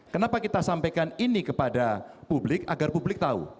kenapa kita sampaikan ini kepada publik agar publik tahu